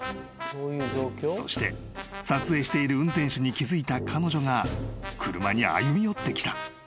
［そして撮影している運転手に気付いた彼女が車に歩み寄ってきた］